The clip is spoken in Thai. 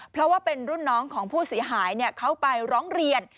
เพราะว่าเป็นรุ่นน้องของผู้เสียหายเขาไปร้องเรียน